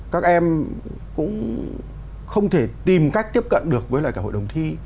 các em cũng không thể tìm cách tiếp cận được với lại cả hội đồng thi